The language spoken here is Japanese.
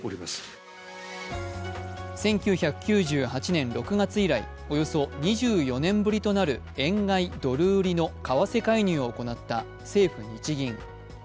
１９９８年６月以来およそ２４年ぶりとなる円買い・ドル売りの為替介入を行った政府・日銀。